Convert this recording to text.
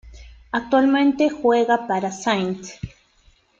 Actualmente juega para St.